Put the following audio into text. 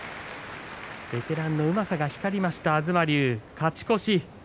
ベテランのうまさが光りました東龍、勝ち越し。